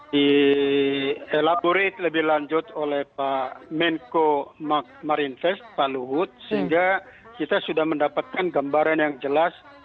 di elaborate lebih lanjut oleh pak menko marinvest pak luhut sehingga kita sudah mendapatkan gambaran yang jelas